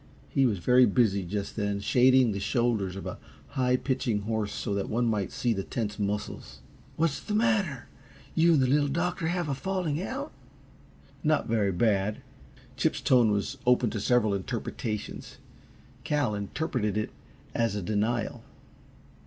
He was very busy, just then, shading the shoulders of a high pitching horse so that one might see the tense muscles. "What's the matter? You and the Little Doctor have a falling out?" "Not very bad," Chip's tone was open to several interpretations. Cal interpreted it as a denial.